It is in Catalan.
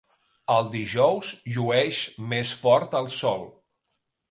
El dijous llueix més fort el sol.